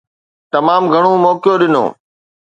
تمام گهڻو موقعو ڏنو.